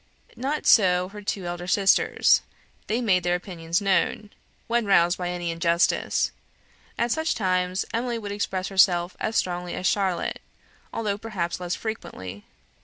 Not so her two elder sisters; they made their opinions known, when roused by any injustice. At such times, Emily would express herself as strongly as Charlotte, although perhaps less frequently.